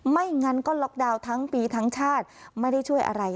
ไม่งั้นก็ล็อกดาวน์ทั้งปีทั้งชาติไม่ได้ช่วยอะไร